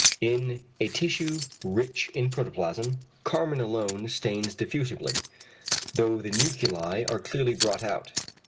In a tissue rich in protoplasm, carmine alone stains diffusely, though the nuclei are clearly brought out.